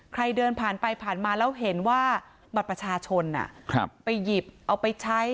ใครเดินผ่านไปผ่านมาแล้วเห็นว่าบัตรประชาชนไปหยิบเอาไปใช้